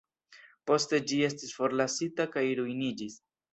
Poste ĝi estis forlasita kaj ruiniĝis.